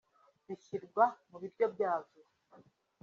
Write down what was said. bishyirwa mu biryo byazo